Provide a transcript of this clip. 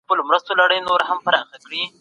ايا سياستپوهنه تلپاتې او ثابته بنسټيزه هسته لري؟